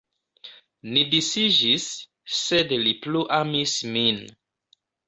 Ni disiĝis, sed li plu amis min.